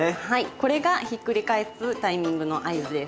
これがひっくり返すタイミングの合図です。